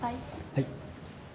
はい。